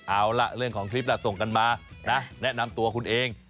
เอาล่ะเรื่องของคลิปล่ะส่งกันมานะแนะนำตัวคุณเอง